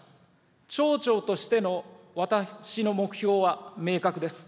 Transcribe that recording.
町長としての私の目標は明確です。